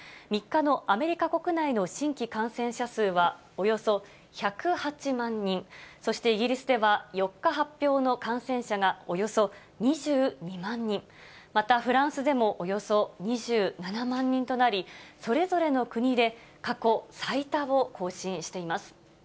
３日のアメリカ国内の新規感染者数は、およそ１０８万人、そしてイギリスでは４日発表の感染者がおよそ２２万人、またフランスでもおよそ２７万人となり、それぞれの国で過去最多を更新しています。